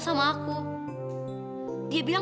bapak udah bilang